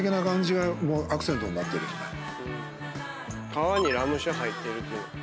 皮にラム酒入ってるという。